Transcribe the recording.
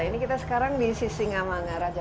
ini kita sekarang di sisi ngamangaraja